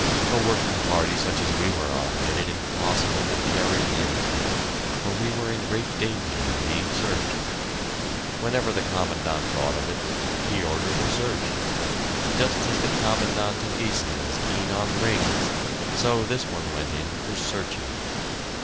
A working party such as we were on made it impossible to carry anything, for we were in great danger of being searched. Whenever the Commandant thought of it, he ordered a search. Just as the Commandant at Giessen was keen on rings, so this one went in for searching.